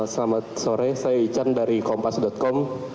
selamat sore saya ican dari kompas com